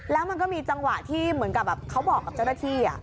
แล้วมันก็มีจังหวะที่เหมือนกับแบบเขาบอกกับเจ้าหน้าที่